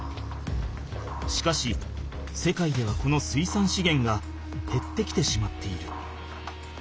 しかし世界ではこの水産資源がへってきてしまっている。